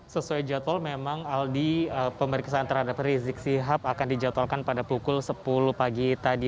sesuai jadwal memang aldi pemeriksaan terhadap rizik sihab akan dijadwalkan pada pukul sepuluh pagi tadi